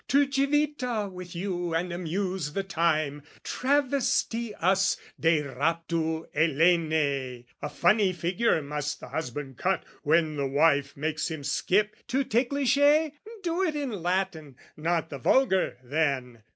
"To Civita with you and amuse the time, "Travesty us 'De Raptu Helenae!" "A funny figure must the husband cut "When the wife makes him skip, too ticklish, eh? "Do it in Latin, not the Vulgar, then!